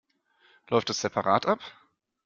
Läuft es separat ab?